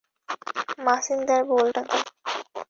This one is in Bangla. মাচিনদার, বলটা দে।